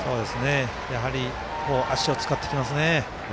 やはり足を使ってきますね。